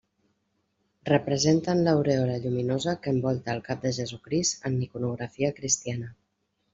Representen l'aurèola lluminosa que envolta el cap de Jesucrist en iconografia Cristiana.